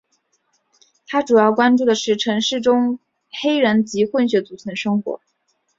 他主要关注的是城市中黑人及混血族群的生活。